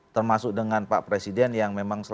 termasuk dengan pak presiden yang memiliki kekuatan